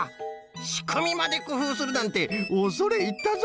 しくみまでくふうするなんておそれいったぞい！